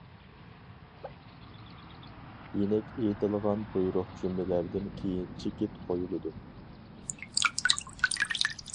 يېنىك ئېيتىلغان بۇيرۇق جۈملىلەردىن كېيىن چېكىت قويۇلىدۇ.